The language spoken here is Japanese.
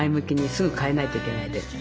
すぐ変えないといけないです。